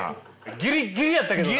ギリッギリやったけどな。